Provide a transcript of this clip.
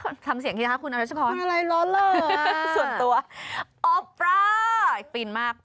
คุณทำเสียงคิดฮะคุณเอาล่ะเฉพาะส่วนตัวโอปร่าฟรีนมาก